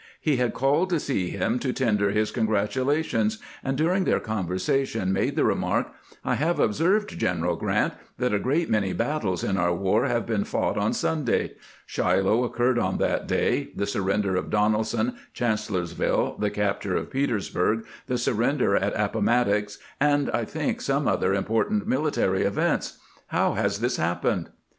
He had called to see him to tender his congratulations, and during their conver sation made the remark: "I have observed, G eneral Grrant, that a great many battles in our war have been fought on Sunday. Shiloh occurred on that day, the surrender of Donelson, Chancellorsville, the capture of Petersburg, the surrender at Appomattox, and, I think, some other important military events. How has this happened?"